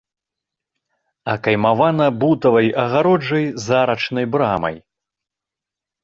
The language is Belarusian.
Акаймавана бутавай агароджай з арачнай брамай.